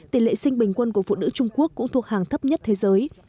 tỷ lệ sinh bình quân của phụ nữ trung quốc cũng thuộc hàng thấp nhất thế giới